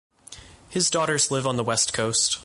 His daughters live on the West Coast.